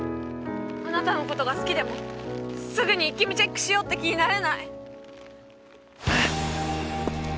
あなたのことが好きでもすぐに「イッキ見！」チェックしようって気になれない。